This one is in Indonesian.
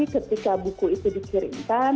ketika buku itu dikirimkan